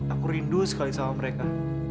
aku rindu sekali sama mereka